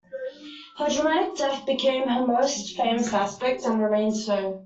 Her dramatic death became her most famous aspect, and remains so.